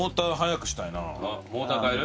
モーター替える？